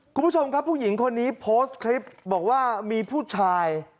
คุณผู้ชมครับผู้หญิงคนนี้โพสต์คลิปบอกว่ามีผู้ชาย